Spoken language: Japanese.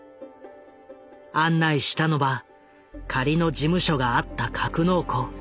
案内したのは仮の事務所があった格納庫。